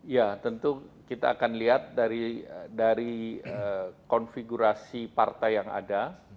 ya tentu kita akan lihat dari konfigurasi partai yang ada